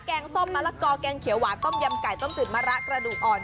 งส้มมะละกอแกงเขียวหวานต้มยำไก่ต้มจืดมะระกระดูกอ่อน